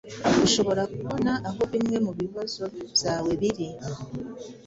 Ushobora kubona aho bimwe mu bibazo byawe biri